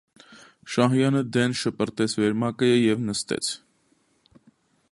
Շահյանը դեն շպրտեց վերմակը և նստեց: